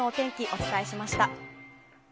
お伝えしました。